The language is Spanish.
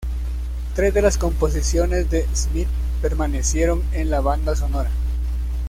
Tres de las composiciones de Smith permanecieron en la banda sonora.